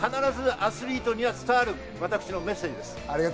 それが必ずアスリートに伝わる、私のメッセージです。